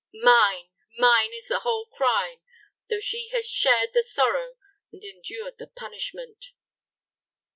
Mine, mine is the whole crime, though she has shared the sorrow and endured the punishment."